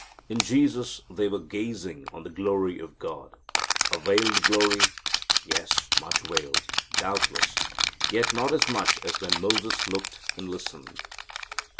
In Jesus they were gazing on the glory of God. A veiled glory? Yes, much veiled, doubtless, yet not as much as when Moses looked and listened.